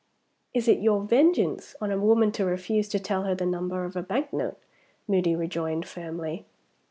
"Is it your vengeance on a woman to refuse to tell her the number of a bank note?" Moody rejoined, firmly.